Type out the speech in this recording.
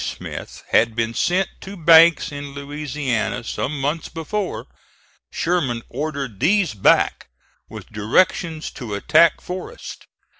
Smith had been sent to Banks in Louisiana some months before. Sherman ordered these back, with directions to attack Forrest.